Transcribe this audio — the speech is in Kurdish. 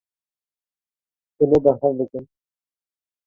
Hûn ê berhev bikin.